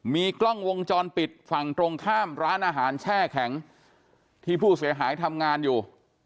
มีกล้องวงจรปิดฝั่งตรงข้ามร้านอาหารแช่แข็งที่ผู้เสียหายทำงานอยู่